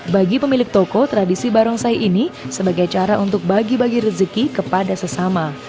bagi pemilik toko tradisi barongsai ini sebagai cara untuk bagi bagi rezeki kepada sesama